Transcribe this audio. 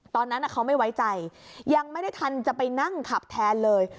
ตอนนั้นเขาไม่ไว้ใจยังไม่ได้ทันจะไปนั่งขับแทนเลย